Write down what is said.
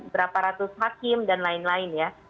berapa ratus hakim dan lain lain ya